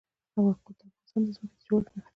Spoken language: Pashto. یاقوت د افغانستان د ځمکې د جوړښت نښه ده.